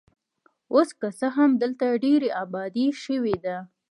اوس که څه هم دلته ډېره ابادي شوې ده.